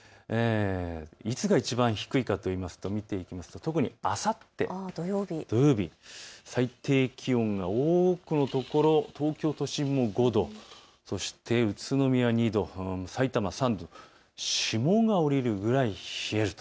いつがいちばん低いかというと特にあさって土曜日、最低気温が多くのところ、東京都心も５度、そして宇都宮２度、さいたま３度、霜が降りるぐらい冷えると。